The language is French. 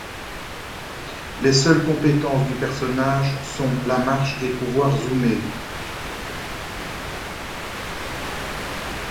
Les seules compétences du personnage sont la marche et pouvoir zoomer.